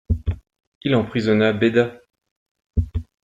Il emprisonna Béda.